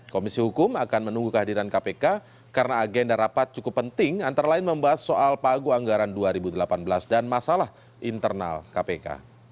komisi hukum akan menunggu kehadiran kpk karena agenda rapat cukup penting antara lain membahas soal pagu anggaran dua ribu delapan belas dan masalah internal kpk